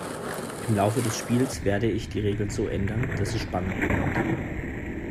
Im Laufe des Spiels werde ich die Regeln so ändern, dass es spannend bleibt.